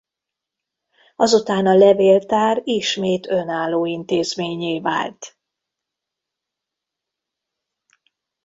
Azután a Levéltár ismét önálló intézménnyé vált.